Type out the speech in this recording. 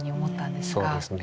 そうですね。